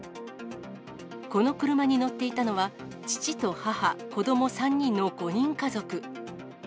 この車に乗っていたのは、父と母、子ども３人の５人家族。